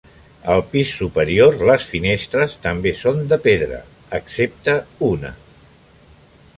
Al pis superior les finestres també són de pedra, excepte una.